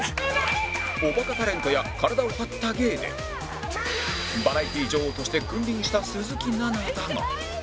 おバカタレントや体を張った芸でバラエティ女王として君臨した鈴木奈々だが